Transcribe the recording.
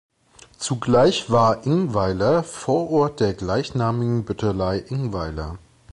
Zugleich war Ingweiler Vorort der gleichnamigen Büttelei Ingweiler.